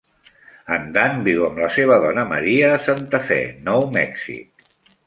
En Dunn viu amb la seva dona Maria a Santa Fe, Nou Mèxic.